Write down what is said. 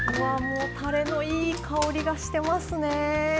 もうたれのいい香りがしてますね。